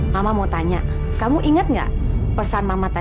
mama mau tanya kamu inget gak pesan mama tadi apa